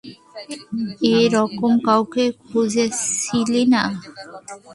এরকম কাউকে খুঁজছিলি না?